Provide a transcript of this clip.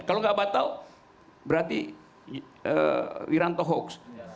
kalau nggak batal berarti wiranto hoax